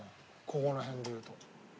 ここら辺で言うと。